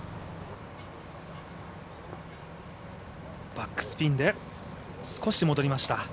バックスピンで少し戻りました。